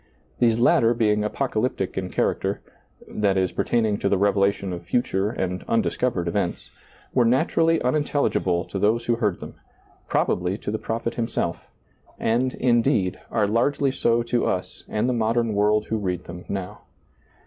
These latter ^lailizccbvGoOgle 78 SEEING DARKLY being apocalyptic in character — that is, pertaining to the revelation of future and undiscovered events, were naturally unintelligible to those who heard them — probably to the prophet himself — and, indeed, are largely so to us and the modem world who read them now.